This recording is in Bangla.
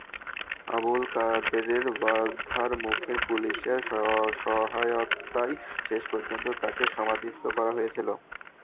আবদুল কাদেরের বাধার মুখে পুলিশের সহায়তায় শেষ পর্যন্ত তাঁকে সমাধিস্থ করা হয়েছিল।